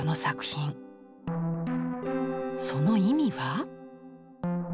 その意味は？